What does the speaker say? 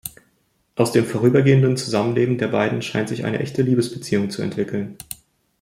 Aus dem vorübergehenden Zusammenleben der beiden scheint sich eine echte Liebesbeziehung zu entwickeln.